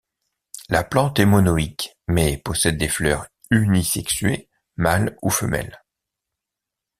La plante est monoïque, mais possède des fleurs unisexuées, mâles ou femelles.